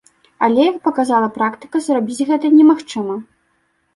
Але, як паказала практыка, зрабіць гэта немагчыма.